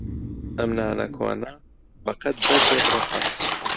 ئەم نانە کۆنە بەقەد بەردێک ڕەقە.